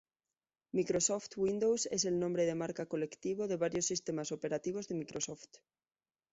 Microsoft Windows es el nombre de marca colectivo de varios sistemas operativos de Microsoft.